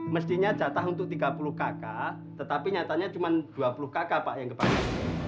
mestinya jatah untuk tiga puluh kakak tetapi nyatanya cuma dua puluh kakak pak yang kepanas